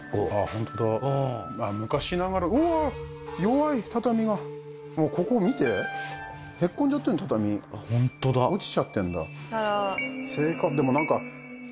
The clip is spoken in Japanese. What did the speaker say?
ホントだ昔ながらもうここ見てへっこんじゃってんの畳あっホントだ落ちちゃってんだ